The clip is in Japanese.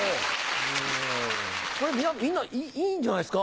これみんないいんじゃないっすか？